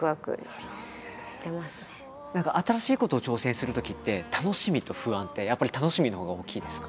何か新しいことを挑戦するときって楽しみと不安ってやっぱり楽しみのほうが大きいですか？